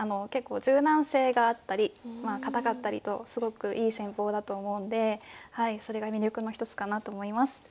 結構柔軟性があったりまあ堅かったりとすごくいい戦法だと思うのでそれが魅力の一つかなと思います。